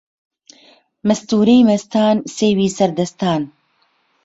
مەستوورەی مەستان سێوی سەر دەستان